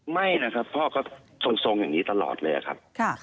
ไม่นะครับพ่อก็ทรงอย่างนี้ตลอดเลยครับ